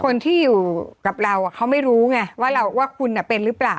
คนที่อยู่กับเราเขาไม่รู้ไงว่าคุณเป็นหรือเปล่า